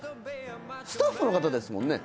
スタッフの方ですもんね。